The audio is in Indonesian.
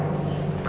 dia ini atau dia